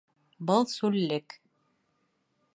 Был сүллек.